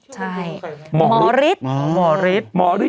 ใช่หมอฤทธิ์